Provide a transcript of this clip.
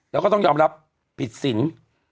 แล้วก็ต้องยอมรับผิดสิน